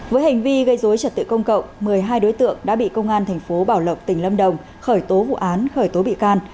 với hành vi gây dối trật tự công cộng một mươi hai đối tượng đã bị công an thành phố bảo lộc tỉnh lâm đồng khởi tố vụ án khởi tố bị can